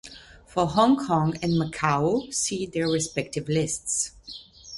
For Hong Kong and Macau see their respective lists.